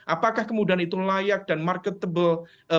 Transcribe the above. apakah kemudian itu layak dan marketable